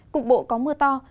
cục bộ có mưa to